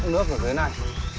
nước ở dưới này